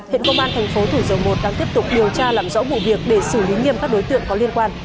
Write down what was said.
hiện công an tp hcm đang tiếp tục điều tra làm rõ vụ việc để xử lý nghiêm các đối tượng có liên quan